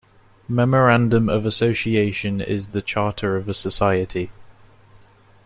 Memorandum of association is the charter of a society.